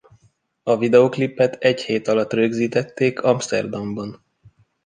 A videoklipet egy hét alatt rögzítették Amszterdamban.